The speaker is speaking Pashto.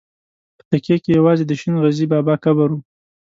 په تکیه کې یوازې د شین غزي بابا قبر و.